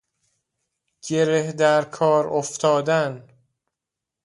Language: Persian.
گره در کار افتادن